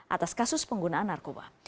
atas kasus penggunaan narkoba